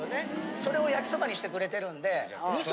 それを焼きそばにしてくれてるんで。